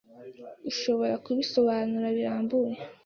Ushobora kubisobanura birambuye?